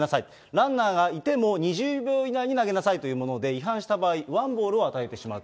ランナーがいても２０秒以内に投げなさいというもので、違反した場合、ワンボールを与えてしまう。